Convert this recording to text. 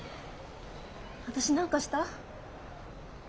私何かした？